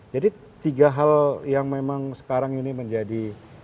jadi tiga hal yang memang sekarang ini menjadi